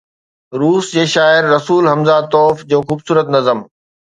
روس جي شاعر ”رسول حمزه توف“ جو خوبصورت نظم.